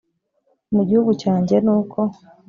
mu gihugu cyanjye nuko